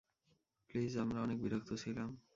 Please, আমরা অনেক বিরক্ত ছিলাম।